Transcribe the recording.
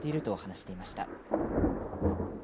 と、話していました。